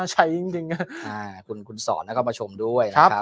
ใช่จริงจริงค่ะอ่าคุณคุณสอนนะครับมาชมด้วยครับอ่า